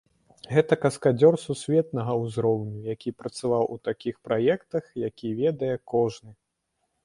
Гэта каскадзёр сусветнага ўзроўню, які працаваў у такіх праектах, які ведае кожны.